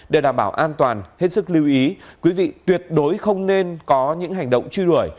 để đảm bảo an toàn hết sức lưu ý quý vị tuyệt đối không nên có những hành động truy đuổi